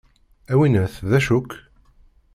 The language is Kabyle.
A winnat d acu-k?